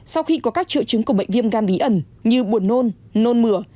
sau khi có các triệu chứng của bệnh viêm gan bí ẩn như buồn nôn nôn mửa